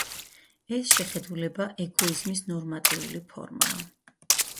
ეს შეხედულება ეგოიზმის ნორმატიული ფორმაა.